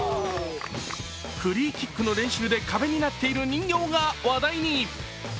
フリーキックの練習で壁になっている人形が話題に。